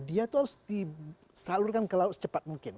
dia itu harus disalurkan ke laut secepat mungkin